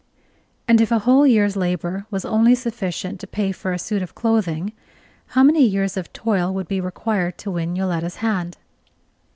And if a whole year's labor was only sufficient to pay for a suit of clothing, how many years of toil would be required to win Yoletta's hand?